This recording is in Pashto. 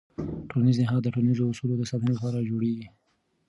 ټولنیز نهاد د ټولنیزو اصولو د ساتنې لپاره جوړېږي.